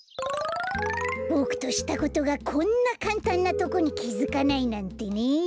ボクとしたことがこんなかんたんなとこにきづかないなんてね！